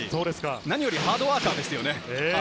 何よりハードワーカーですよね。